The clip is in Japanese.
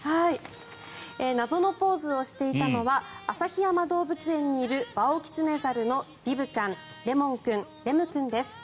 謎のポーズをしていたのは旭山動物園にいるワオキツネザルのリヴちゃんレモン君、レム君です。